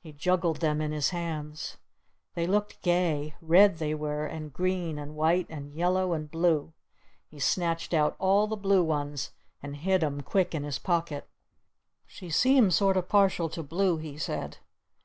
He juggled them in his hands. They looked gay. Red they were! And green! And white! And yellow! And blue! He snatched out all the blue ones and hid 'em quick in his pocket. "She seems sort of partial to blue," he said.